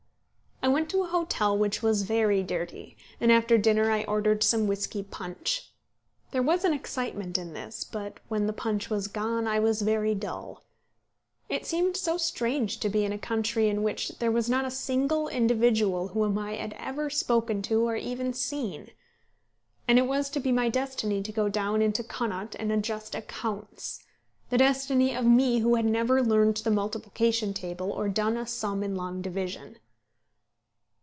I went to a hotel which was very dirty, and after dinner I ordered some whisky punch. There was an excitement in this, but when the punch was gone I was very dull. It seemed so strange to be in a country in which there was not a single individual whom I had ever spoken to or ever seen. And it was to be my destiny to go down into Connaught and adjust accounts, the destiny of me who had never learned the multiplication table, or done a sum in long division!